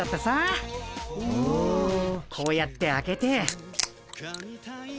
こうやって開けて。